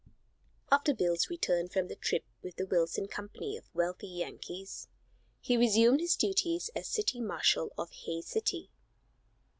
After Bill's return from the trip with the Wilson company of wealthy "Yankees," he resumed his duties as city marshal of Hays City.